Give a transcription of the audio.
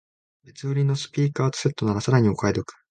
別売りのスピーカーとセットならさらにお買い得